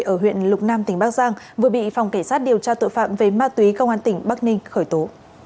ở huyện lục nam tỉnh bắc giang vừa bị phòng cảnh sát điều tra tội phạm về ma túy công an tỉnh bắc ninh khởi tố